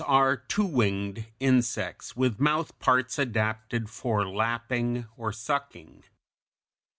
217) are two winged insects with mouth parts adapted for lapping (Fig. 218) or sucking.